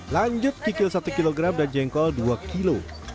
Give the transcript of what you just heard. lanjut kikil satu kg dan jengkol dua kilo